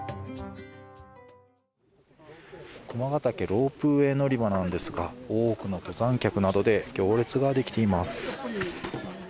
駒ヶ岳ロープウェイ乗り場なんですが多くの登山客などで行列ができています。